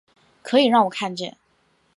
可以让我看见